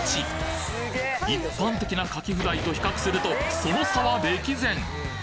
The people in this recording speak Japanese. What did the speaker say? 一般的な牡蠣フライと比較するとその差は歴然！